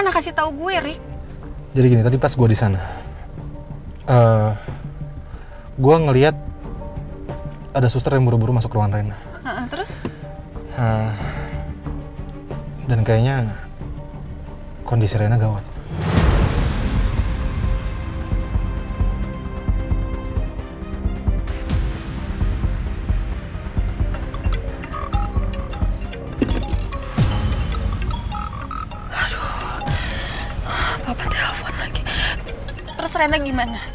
kita jangan bikin dia pusing